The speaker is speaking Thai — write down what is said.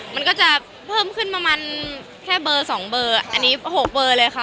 มันก็จะเพิ่มขึ้นประมาณแค่เบอร์๒เบอร์อันนี้๖เบอร์เลยค่ะ